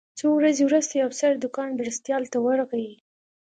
څو ورځې وروسته یو افسر د کان مرستیال ته ورغی